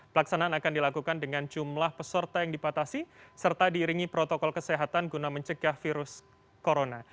pelaksanaan akan dilakukan dengan jumlah peserta yang dipatasi serta diiringi protokol kesehatan guna mencegah virus corona